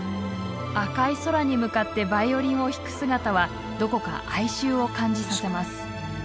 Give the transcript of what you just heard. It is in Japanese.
赤い空に向かってヴァイオリンを弾く姿はどこか哀愁を感じさせます。